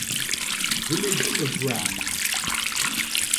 Village of Rams.